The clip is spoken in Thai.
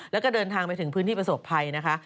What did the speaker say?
แล้วก็เดินทางไปถึงพื้นที่ประสบภัยนะคะ